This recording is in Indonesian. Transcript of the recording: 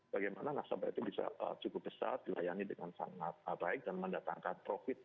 bagaimana nasabah itu bisa cukup besar dilayani dengan sangat baik dan mendatangkan profit